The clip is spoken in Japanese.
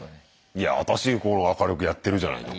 いやあたし明るくやってるじゃないの。